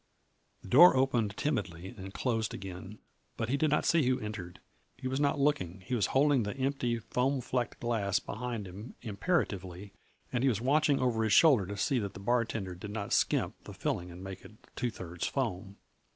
The door opened timidly and closed again, but he did not see who entered. He was not looking; he was holding the empty, foam flecked glass behind him imperatively, and he was watching over his shoulder to see that the bartender did not skimp the filling and make it two thirds foam.